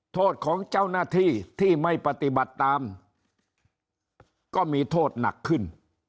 โทษของเจ้าหน้าที่ที่ไม่ปฏิบัติตามก็มีโทษหนักขึ้น